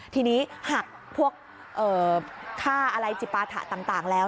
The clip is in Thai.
ทีนี้หักพวกค่าอะไรจิปาถะต่างแล้ว